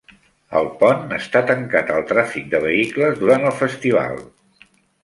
El pont està tancat al tràfic de vehicles durant el festival.